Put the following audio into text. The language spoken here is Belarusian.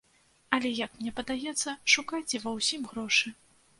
Але, як мне падаецца, шукайце ва ўсім грошы.